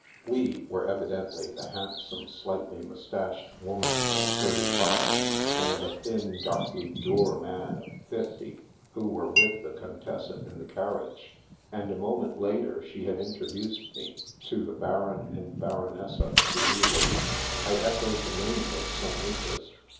''" We " were evidently the handsome, slightly moustached women of thirty five, and the thin, darkly dour man of fifty who were with the Contessa in the carriage; and a moment later she had intro duced me to the Baron and Baronessa di Nivoli. I echoed the name with some interest.